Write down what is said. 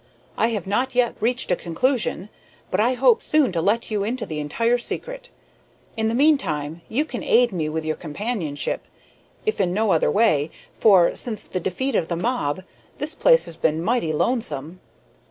I have not yet reached a conclusion, but I hope soon to let you into the entire secret. In the meantime you can aid me with your companionship, if in no other way, for, since the defeat of the mob, this place has been mighty lonesome.